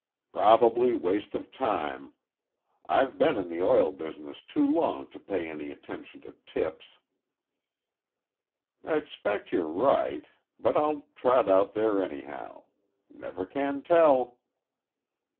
"Probably waste of time. I've been in the oil business too long to pay any attention to tips." "Expect you're right, but I'll trot out there, anyhow. Never can tell."